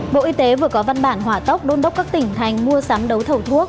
bộ y tế vừa có văn bản hỏa tốc đôn đốc các tỉnh thành mua sắm đấu thầu thuốc